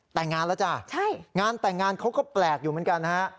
แต่งงานแล้วจ้ะงานแต่งงานเขาก็แปลกอยู่เหมือนกันฮะ